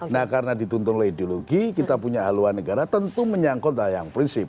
nah karena dituntun oleh ideologi kita punya aluan negara tentu menyangkutlah yang prinsip